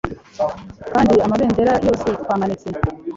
Kandi amabendera yose twamanitse,